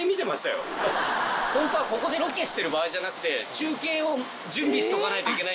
ホントはここでロケしてる場合じゃなくて。